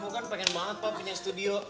eh aku kan pengen banget pak punya studio